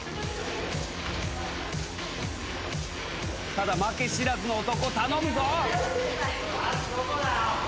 ただ負け知らずの男頼むぞ。